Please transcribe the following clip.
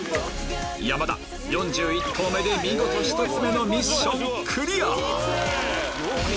山田４１投目で見事１つ目のミッションクリア